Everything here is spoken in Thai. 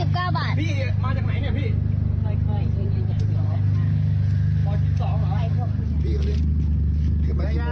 เท่าไหร่มิเตอร์ไหนอ่ะ